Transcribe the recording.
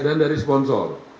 dan dari sponsor